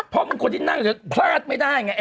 เพราะคนที่นั่งเนี้ยพลาดไม่ได้ไง